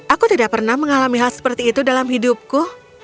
aku tidak pernah mengalami hal seperti itu dalam hidupku